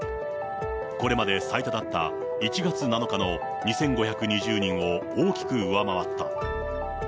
これまで最多だった１月７日の２５２０人を大きく上回った。